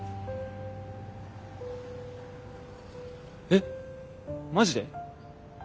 えっマジで？